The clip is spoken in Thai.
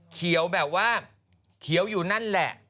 เขียวแบบว่าเขียวอยู่นั่นแหละ